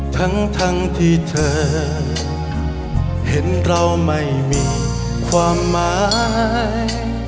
ทั้งทั้งที่เธอเห็นเราไม่มีความหมาย